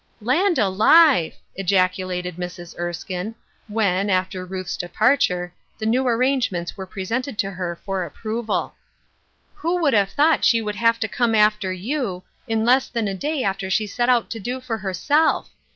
" Land alive I " ejaculated Mrs. Erskine, when, after Ruth's departure, the new arrangements were presented to her for approval. " Who would have thought she would have to come aftar 320 Ruth Ershine's Crosses. you, in less than a day after she set out to do for herself.